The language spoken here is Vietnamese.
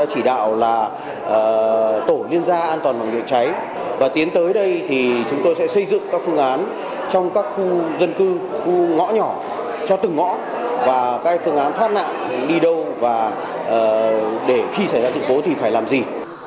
cho từng ngõ và các phương án thoát nạn đi đâu và để khi xảy ra sự cố thì phải làm gì